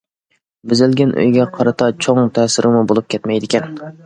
بېزەلگەن ئۆيگە قارىتا چوڭ تەسىرىمۇ بولۇپ كەتمەيدىكەن.